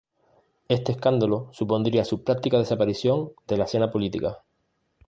Este escándalo supondría su práctica desaparición de la escena política.